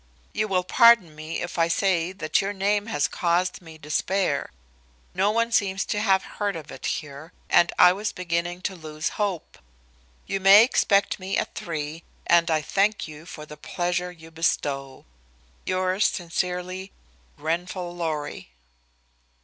You will pardon me if I say that your name has caused me despair. No one seems to have heard it here, and I was beginning to lose hope. You may expect me at three, and I thank you for the pleasure you bestow. "Yours sincerely, "GRENFALL LORRY."